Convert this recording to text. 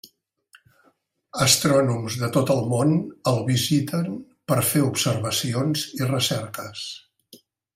Astrònoms de tot el món el visiten per fer observacions i recerques.